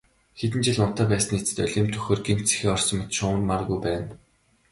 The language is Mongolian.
Хэдэн жил унтаа байсны эцэст олимп дөхөхөөр гэнэт сэхээ орсон мэт шуурмааргүй байна.